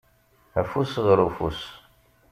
Afus ɣer ufus.